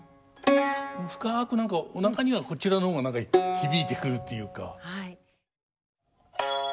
深く何かおなかにはこちらの方が何か響いてくるというか。